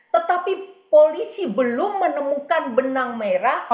tetapi polisi belum menemukan benang merah